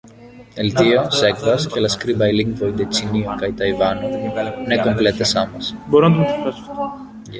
El tio sekvas, ke la skribaj lingvoj de Ĉinio kaj Tajvano ne komplete samas.